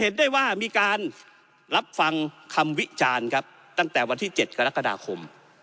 เห็นได้ว่ามีการรับฟังคำวิจารณ์ครับตั้งแต่วันที่๗กรกฎาคม